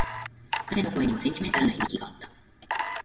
彼の声にはセンチメンタルな響きがあった。